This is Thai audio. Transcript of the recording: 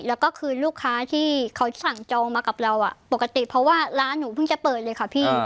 แล้วก็คือลูกค้าที่เขาสั่งจองมากับเราปกติเพราะว่าร้านหนูเพิ่งจะเปิดเลยค่ะพี่